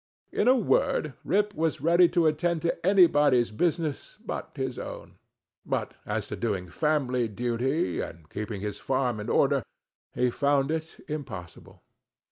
In a word Rip was ready to attend to anybody's business but his own; but as to doing family duty, and keeping his farm in order, he found it impossible.